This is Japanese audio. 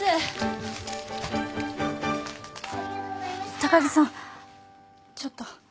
高木さんちょっと。